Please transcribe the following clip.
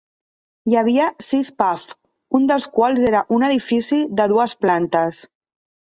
Hi havia sis pubs, un dels quals era un edifici de dues plantes.